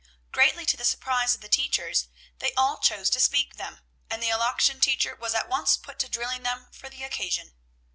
Greatly to the surprise of the teachers they all chose to speak them, and the elocution teacher was at once put to drilling them for the occasion.